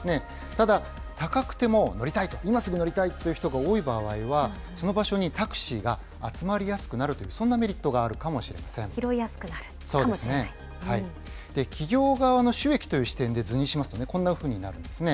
ただ、高くても乗りたいと、今すぐ乗りたいという人が多い場合は、その場所にタクシーが集まりやすくなるという、そんなひろいやすくなるかもしれな企業側の収益という視点で図にしますと、こんなふうになるんですね。